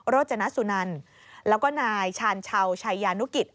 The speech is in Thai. โรจนสุนันแล้วก็นายชาญชาวชัยยานุกิจ